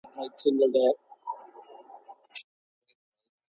د نوي زیږیدلي ماشوم پاملرنه څنګه کیږي؟